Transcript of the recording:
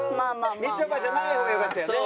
みちょぱじゃない方がよかったよね